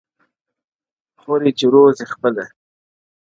خوري چي روزي خپله -